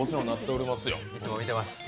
いつも見てます。